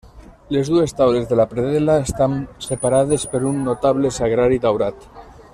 Les dues taules de la predel·la estan separades per un notable sagrari daurat.